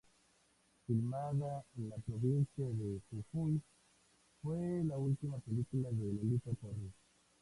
Filmada en la provincia de Jujuy, fue la última película de Lolita Torres.